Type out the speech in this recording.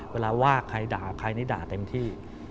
เวลาว่าใครดาใครดาเต็มที่